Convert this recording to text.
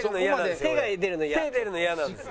手出るの嫌なんですよ